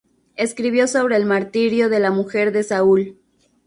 Escribió sobre el martirio de la mujer de Saul.